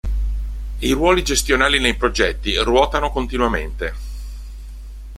I ruoli gestionali nei progetti ruotano continuamente.